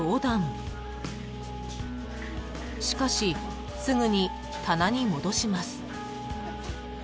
［しかしすぐに棚に戻します］